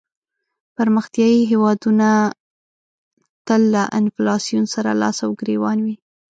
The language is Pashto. پرمختیایې هېوادونه تل له انفلاسیون سره لاس او ګریوان وي.